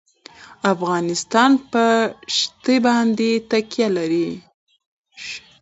افغانستان په ښتې باندې تکیه لري.